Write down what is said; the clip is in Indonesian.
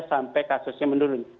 sampai kasusnya menurun